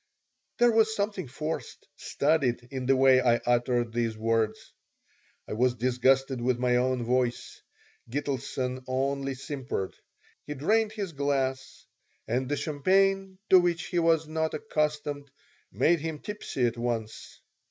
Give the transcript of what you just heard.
There was something forced, studied, in the way I uttered these words. I was disgusted with my own voice. Gitelson only simpered. He drained his glass, and the champagne, to which he was not accustomed, made him tipsy at once.